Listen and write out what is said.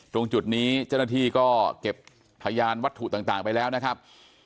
ตรงจุดนี้เจ้าหน้าที่ก็เก็บพยานวัตถุต่างไปแล้วนะครับ